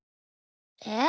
えっ？